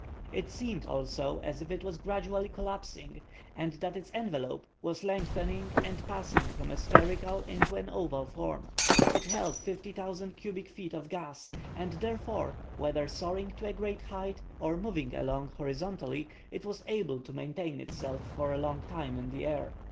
It seemed also as if it was gradually collapsing, and that its envelope was lengthening and passing from a spherical into an oval form. It held 50,000 cubic feet of gas, and therefore, whether soaring to a great height or moving along horizontally, it was able to maintain itself for a long time in the air.